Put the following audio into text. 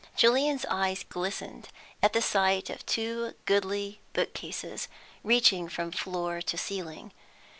Julian's eyes glistened at the sight of two goodly bookcases, reaching from floor to ceiling.